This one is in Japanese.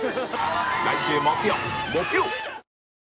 来週木曜木曜！